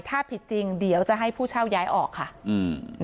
ถ้าผิดจริงเดี๋ยวจะให้ผู้เช่าย้ายออกค่ะอืม